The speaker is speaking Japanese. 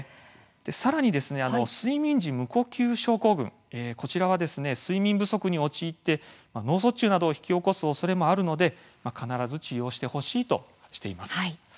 さらに、睡眠時無呼吸症候群は睡眠不足に陥って脳卒中などを引き起こすおそれもあるので必ず治療してほしいとしています。